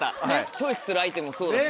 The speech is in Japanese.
チョイスするアイテムもそうだし。